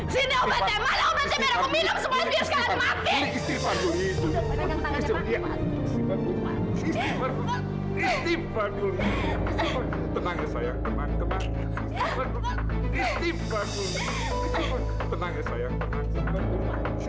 sini obatnya mana obatnya biar aku minum semua biar sekarang mati